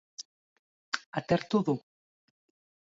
Atertu du.